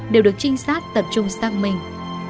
đều được trinh sát tập trung xác minh